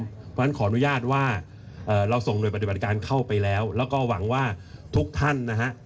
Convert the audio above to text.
เพราะฉะนั้นขออนุญาตว่าเราส่งหน่วยปฏิบัติการเข้าไปแล้วแล้วก็หวังว่าทุกท่านนะฮะ